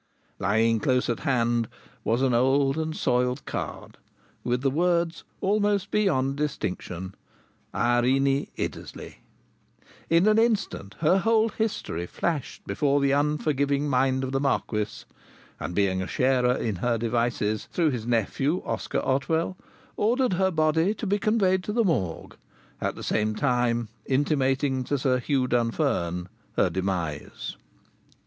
Lying close at hand was an old and soiled card, with the words almost beyond distinction, "Irene Iddesleigh." In an instant her whole history flashed before the unforgiving mind of the Marquis, and being a sharer in her devices, through his nephew Oscar Otwell, ordered her body to be conveyed to the morgue, at the same time intimating to Sir Hugh Dunfern her demise.